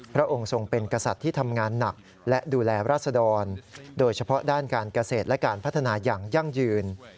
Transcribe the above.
พระองค์ทรงเป็นกษัตริย์ที่ทำงานหนักและดูแลราษดรโดยเฉพาะด้านการเกษตรและการพัฒนาอย่างยั่งยืน